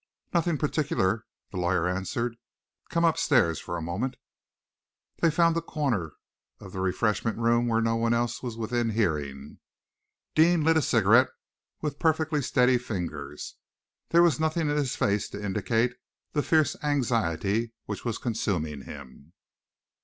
"Nothing particular," the lawyer answered. "Come upstairs for a moment." They found a corner of the refreshment room where no one else was within hearing. Deane lit his cigarette with perfectly steady fingers. There was nothing in his face to indicate the fierce anxiety which was consuming him.